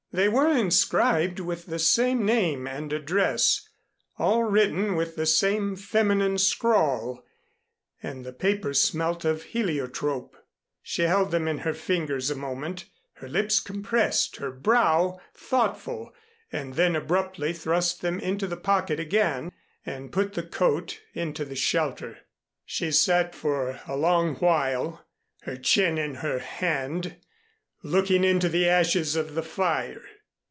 They were inscribed with the same name and address all written with the same feminine scrawl, and the paper smelt of heliotrope. She held them in her fingers a moment, her lips compressed, her brow thoughtful and then abruptly thrust them into the pocket again and put the coat into the shelter. She sat for a long while, her chin in her hand, looking into the ashes of the fire.